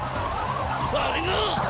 あれがっ！！